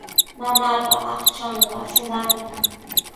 Mamaapa aqchanqa shumaqmi.